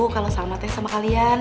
kalo salma tengah sama kalian